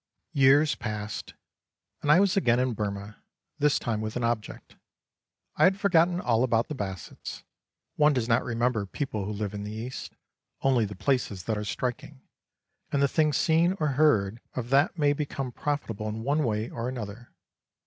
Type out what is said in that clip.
Years passed, and I was again in Burmah, this time with an object. I had forgotten all about the Bassets: one does not remember people who live in the East, only the places that are striking, and the things seen or heard of that may become profitable in one way or another.